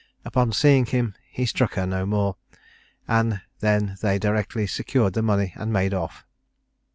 Upon seeing him, he struck her no more, and then they directly secured the money and made off.